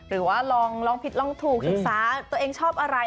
หรือว่าลองผิดลองถูกศึกษาตัวเองชอบอะไร